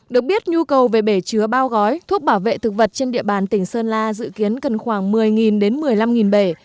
được biết nhu cầu về bể chứa bao gói thuốc bảo vệ thực vật trên địa bàn tỉnh sơn la dự kiến cần khoảng một mươi đến một mươi năm bể